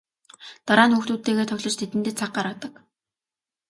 Дараа нь хүүхдүүдтэйгээ тоглож тэдэндээ цаг гаргадаг.